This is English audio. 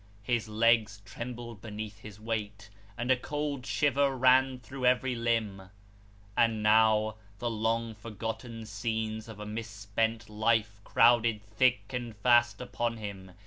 His legs trembled beneath his weight, and a cold shiver ran through every limb. And now the long forgotten scenes of a misspent life crowded thick and fast upon him.